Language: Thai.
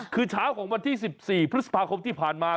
คือเช้าของวันที่๑๔พฤษภาคมที่ผ่านมา